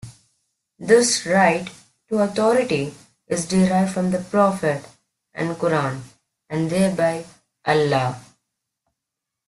This right to authority is derived from the prophet and Quran and thereby Allah.